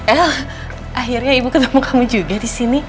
el akhirnya ibu ketemu kamu juga disini